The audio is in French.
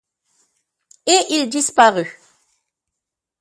Et il disparut.